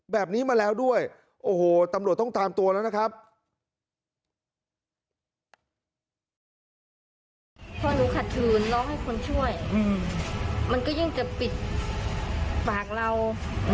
แบบนี้มาแล้วด้วยโอ้โหตำรวจต้องตามตัวแล้วนะครับ